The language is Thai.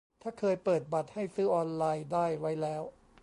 ถ้าเคยเปิดบัตรให้ซื้อออนไลน์ได้ไว้แล้ว